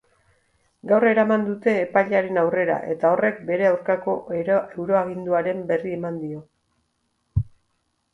Gaur eraman dute epailearen aurrera eta horrek bere aurkako euroaginduaren berri eman dio.